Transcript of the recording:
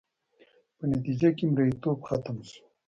په نتیجه کې یې مریتوب ختم شو